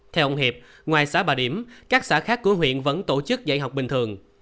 theo ông hiệp ngoài xã bà điểm các xã khác của huyện vẫn tổ chức dạy học bình thường